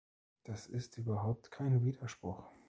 Das ist überhaupt kein Widerspruch.